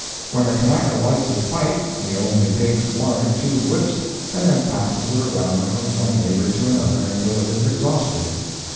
When a Kanaka lights his pipe he only takes one or two whiffs and then passes it around from one neighbor to another until it is exhausted.